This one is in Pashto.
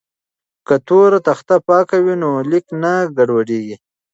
که تور تخته پاکه وي نو لیک نه ګډوډیږي.